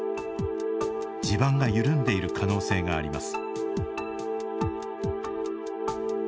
地盤が緩んでいる可能性があります。